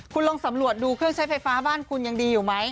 คุณลองสำรวจดูเครื่องใช้ไฟฟ้าบ้านคุณยังดีอยู่ไหม